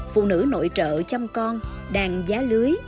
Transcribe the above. phụ nữ nội trợ chăm con đàn giá lưới